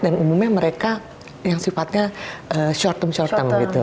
dan umumnya mereka yang sifatnya short term short term gitu